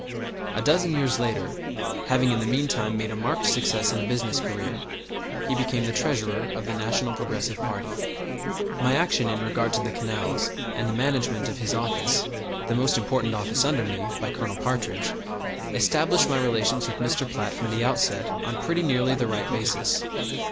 A dozen years later having in the meantime made a marked success in a business career he became the Treasurer of the National Progressive party. My action in regard to the canals, and the management of his office, the most important office under me, by Colonel Partridge, established my relations with Mr. Platt from the outset on pretty nearly the right basis.